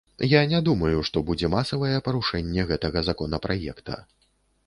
Я не думаю, што будзе масавае парушэнне гэтага законапраекта.